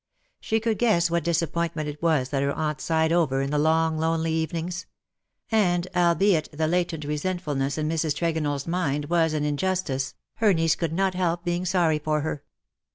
She could guess what disappointment it was that her aunt sighed over in the long, lonely evenings ; and, albeit the latent resentfulness in Mrs. TregonelFs mind was an injustice, her niece could not help being sorry for her.